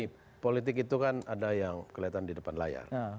tapi politik itu kan ada yang kelihatan di depan layar